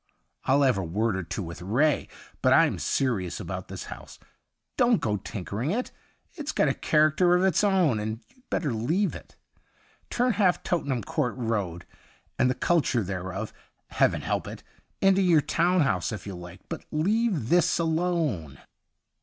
I'll have a word or two with Ray. But I'm serious about this house. Don't go tinkering it ; it's got a character of its own, and you'd better leave it. Turn half Tottenham Court Road and the culture thereof — Heaven help it !— into your town house if you like, but leave this alone.'